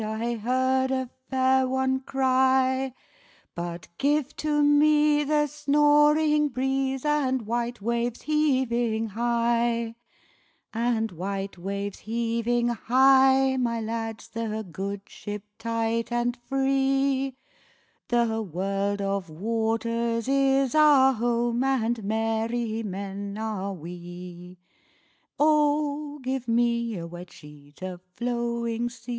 I heard a fair one cry:But give to me the snoring breezeAnd white waves heaving high; And white waves heaving high, my lads, The good ship tight and free—The world of waters is our home, And merry men are we.